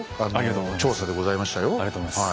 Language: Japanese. ありがとうございます。